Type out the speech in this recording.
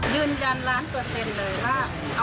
ยืนยันล้านเปอร์เซ็นต์เลยว่า